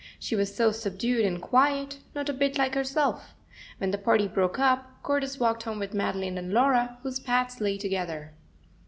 She was so subdued and quiet, not a bit like herself. When the party broke up, Cordis walked home with Madeline and Laura, whose paths lay together.